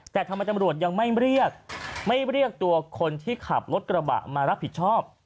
แต่ทำไมตำรวจยังไม่เรียกไม่เรียกตัวคนที่ขับรถกระบะมารับผิดชอบ